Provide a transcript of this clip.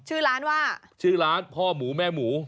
ชื่อร้านว่าชื่อร้านพ่อหมูแม่หมู